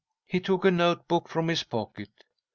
He took a note book from his pocket.